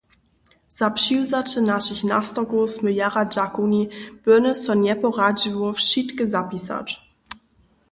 Za přiwzaće našich nastorkow smy jara dźakowni, byrnjež so njeporadźiło wšitke zapisać.